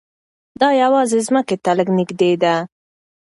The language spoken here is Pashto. دا یوازې ځمکې ته لږ نږدې ده.